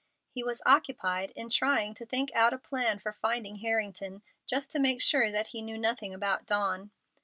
He was occupied in trying to think out a plan for finding Harrington, just to make sure that he knew nothing about Dawn.